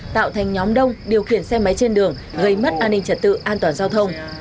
tạo thành nhóm đông điều khiển xe máy trên đường gây mất an ninh trật tự an toàn giao thông